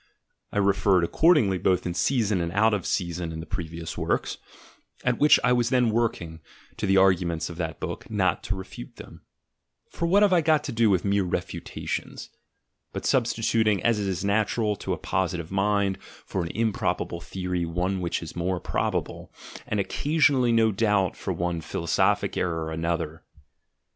I referred accordingly both' in season and out of season in the previous works, at which I was then working, to the arguments of that book, not to refute them — for what have I got to do with mere refutations — but substituting, as is natural to a positive mind, for an improbable theory one which is more prob able, and occasionally no doubt for one philosophic error another.